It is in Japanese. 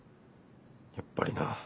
やっぱりな。